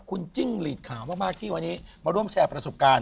คุณจิ้งหลีดขาวมากที่วันนี้มาร่วมแชร์ประสบการณ์